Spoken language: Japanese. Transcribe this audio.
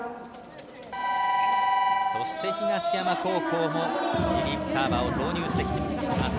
そして東山高校もリリーフサーバーを投入してきます。